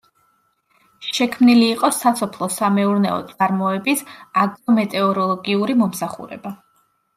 შექმნილი იყო სასოფლო-სამეურნეო წარმოების აგრომეტეოროლოგიური მომსახურება.